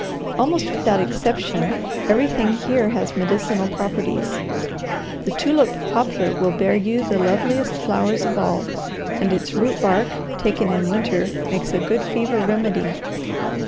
Almost without exception everything here has medicinal properties. The tulip poplar will bear you the loveliest flowers of all, and its root bark, taken in winter, makes a good fever remedy."